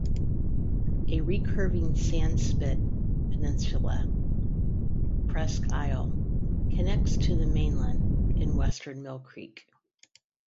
A recurving sandspit peninsula, Presque Isle, connects to the mainland in western Millcreek.